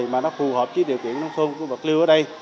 mà nó phù hợp với điều kiện nông thôn của bạc liêu ở đây